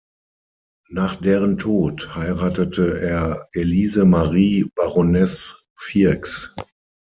Nach deren Tod heiratete er Elise Marie Baronesse Fircks.